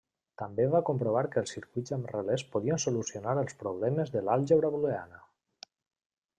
També va comprovar que els circuits amb relés podien solucionar els problemes de l'àlgebra booleana.